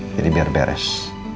jadi biar beres